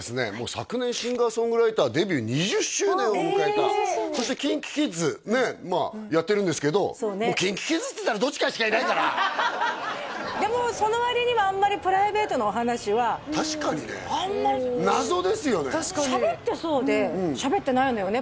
昨年シンガー・ソングライターデビュー２０周年を迎えたそしてＫｉｎＫｉＫｉｄｓねまあやってるんですけどＫｉｎＫｉＫｉｄｓっつったらどっちかしかいないからでもその割にはあんまりプライベートのお話は確かにね謎ですよねしゃべってそうでしゃべってないのよね